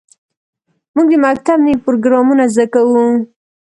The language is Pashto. موږ د مکتب نوې پروګرامونه زده کوو.